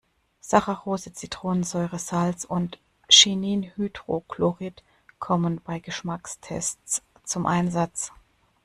Saccharose, Zitronensäure, Salz und Chininhydrochlorid kommen bei Geschmackstests zum Einsatz.